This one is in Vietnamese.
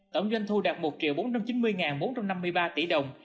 tổng doanh thu đạt một bốn trăm chín mươi bốn trăm năm mươi ba tỷ đồng